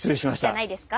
じゃないですか？